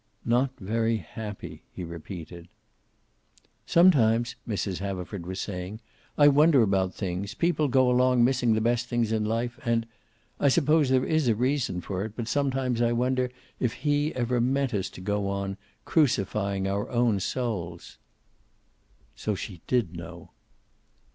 "Not very happy," he repeated. "Some times," Mrs. Haverford was saying, "I wonder about things. People go along missing the best things in life, and I suppose there is a reason for it, but some times I wonder if He ever meant us to go on, crucifying our own souls." So she did know!